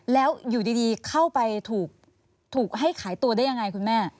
แล้วอยู่ดีเข้าไปถูกให้ขายตัวได้ยังไงคุณแม่